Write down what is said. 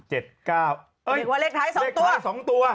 เหล็กท้าย๒ตัว